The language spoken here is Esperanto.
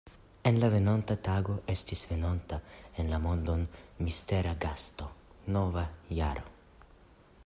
En la venonta tago estis venonta en la mondon mistera gasto: nova jaro.